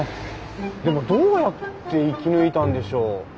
でもどうやって生き抜いたんでしょう？